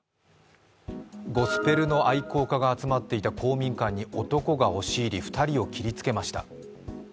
ゴスペルの愛好家が集まっていた公民館に男が押し入り２人を切りつけました。